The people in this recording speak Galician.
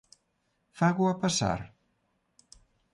¿Fágoa pasar?